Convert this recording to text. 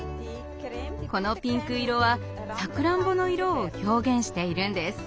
このピンク色はさくらんぼの色を表現しているんです。